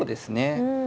うん。